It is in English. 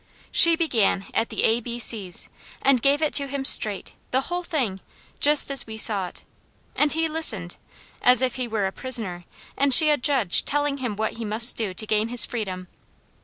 She began at the a b c's, and gave it to him straight: the whole thing, just as we saw it; and he listened, as if he were a prisoner, and she a judge telling him what he must do to gain his freedom.